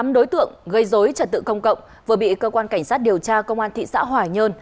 một mươi tám đối tượng gây dối trật tự công cộng vừa bị cơ quan cảnh sát điều tra công an thị xã hỏa nhơn